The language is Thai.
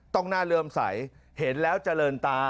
ต้องน่าเริ่มใสเห็นแล้วเจริญตา